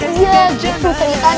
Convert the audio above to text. luar ke kapal